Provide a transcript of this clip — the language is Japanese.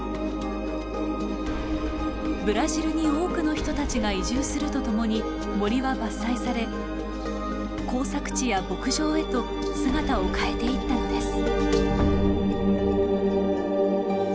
ブラジルに多くの人たちが移住するとともに森は伐採され耕作地や牧場へと姿を変えていったのです。